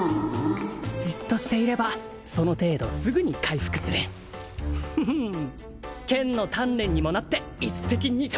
じっとしていればその程度すぐに回復する剣の鍛錬にもなって一石二鳥！